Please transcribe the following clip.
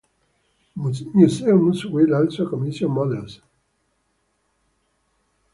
Museums will also commission models.